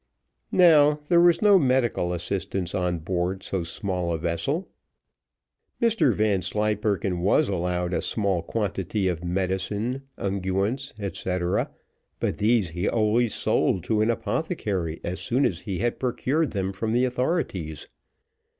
Now, there was no medical assistance on board so small a vessel. Mr Vanslyperken, was allowed a small quantity of medicine, unguents, &c., but these he always sold to an apothecary, as soon as he had procured them from the authorities.